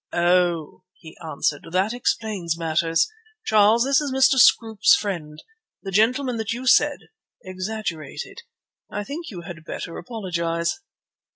"Oh!" he answered, "that explains matters. Charles, this is Mr. Scroope's friend, the gentleman that you said—exaggerated. I think you had better apologize."